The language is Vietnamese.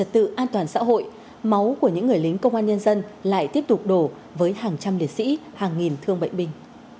tự an toàn xã hội máu của những người lính công an nhân dân lại tiếp tục đổ với hàng trăm liệt sĩ hàng nghìn thương bệnh binh